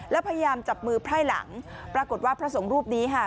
แล้วพยายามจับมือไพร่หลังปรากฏว่าพระสงฆ์รูปนี้ค่ะ